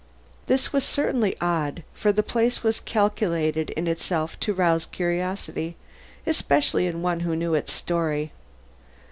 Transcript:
This was certainly odd, for the place was calculated in itself to rouse curiosity, especially in one who knew its story.